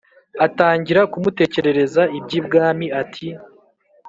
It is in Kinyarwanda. atangira kumutekerereza iby' ibwami; ati: